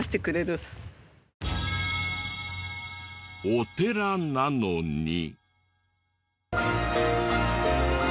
お寺なのに。